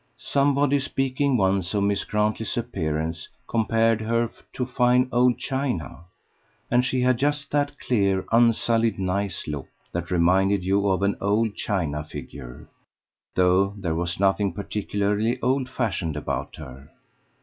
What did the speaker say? Somebody, speaking once of Miss Grantley's appearance, compared her to fine old china; and she had just that clear unsullied nice look that reminded you of an old china figure, though there was nothing particularly old fashioned about her.